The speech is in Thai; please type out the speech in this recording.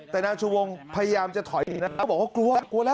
แต่นางชูวงพยายามจะถอยแล้วบอกว่ากลัวแล้ว